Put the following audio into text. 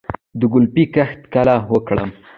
د ګلپي کښت کله وکړم؟